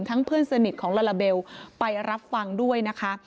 เพื่อนสนิทของลาลาเบลไปรับฟังด้วยนะคะ